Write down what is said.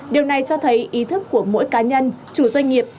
điều này cho thấy ý thức của mỗi cá nhân chủ doanh nghiệp